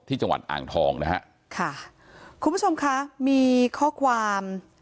จังหวัดอ่างทองนะฮะค่ะคุณผู้ชมคะมีข้อความ